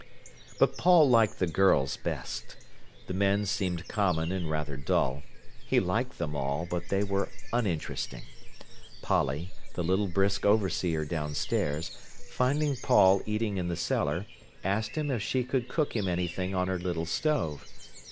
But Paul liked the girls best. The men seemed common and rather dull. He liked them all, but they were uninteresting. Polly, the little brisk overseer downstairs, finding Paul eating in the cellar, asked him if she could cook him anything on her little stove.